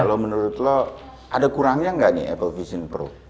kalau menurut lo ada kurangnya nggak nih apple vision pro